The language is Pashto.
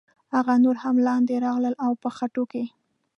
هغه نور هم لاندې راغلل او په خټو کې.